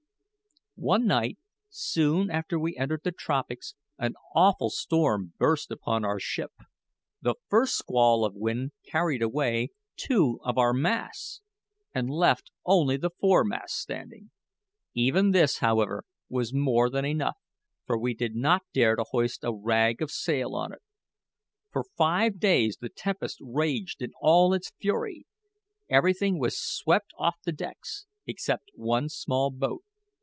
One night, soon after we entered the tropics, an awful storm burst upon our ship. The first squall of wind carried away two of our masts, and left only the foremast standing. Even this, however, was more than enough, for we did not dare to hoist a rag of sail on it. For five days the tempest raged in all its fury. Everything was swept off the decks, except one small boat.